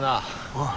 ああ。